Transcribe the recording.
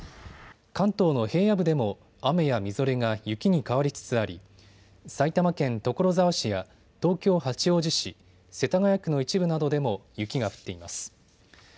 関東の平野部でも雨やみぞれが雪に変わりつつあり、埼玉県所沢市や東京八王子市、世田谷区の一部などでも、雪が降っています。